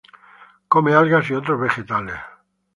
Come algas, y otros vegetales.